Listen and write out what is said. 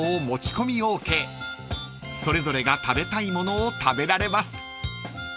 ［それぞれが食べたいものを食べられます］